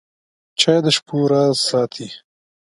چای د شپو راز ساتي.